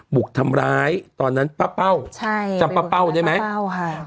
บุกทำร้ายตอนนั้นป้าเป้าใช่จำป้าเป้าได้ไหมเป้าค่ะ